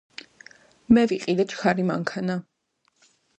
მე ვიყიდე ჩქარი მანქანა